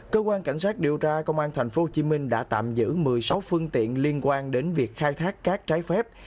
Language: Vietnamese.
cơ quan cảnh sát điều tra công an tp hcm đã tạm giữ một mươi sáu phương tiện liên quan đến việc khai thác cát trái phép